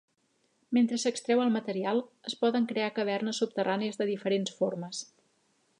Mentre s'extreu el material, es poden crear cavernes subterrànies de diferents formes.